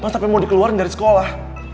masa tapi mau dikeluarin dari sekolah